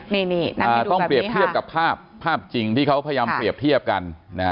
นี่นี่นั่งให้ดูแบบนี้ค่ะต้องเปรียบเทียบกับภาพภาพจริงที่เขาพยายามเปรียบเทียบกัน